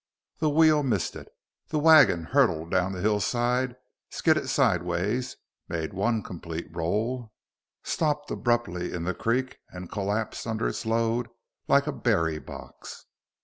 The wheel missed it. The wagon hurtled down the hillside, skidded sideways, made one complete roll, stopped abruptly in the creek, and collapsed under its load like a berry box.